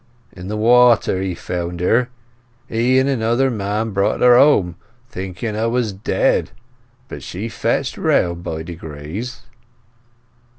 In the water he found her. He and another man brought her home, thinking 'a was dead; but she fetched round by degrees."